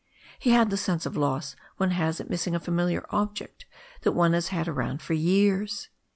He had the sense of loss one has at missing a familiar object that one has had around for years.